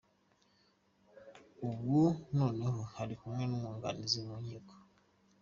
Ubu noneho bari kumwe n’umwunganizi mu nkiko.